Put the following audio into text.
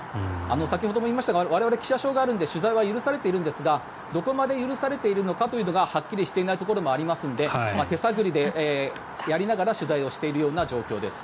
先ほども言いましたが我々、記者証があるので取材は許されているんですがどこまで許されているのかというのがはっきりしていないところもありますので手探りでやりながら取材をしているような状況です。